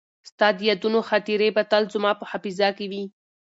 ستا د یادونو خاطرې به تل زما په حافظه کې وي.